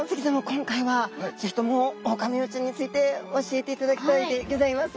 今回は是非ともオオカミウオちゃんについて教えていただきたいでギョざいます。